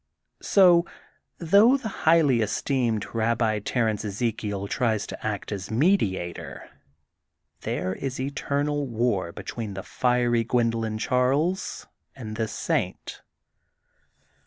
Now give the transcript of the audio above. So, though the highly esteemed Babbi Ter ence Ezekiel tries to act as mediator, there is eternal war between the fiery Gwendolyn Charles and this saint.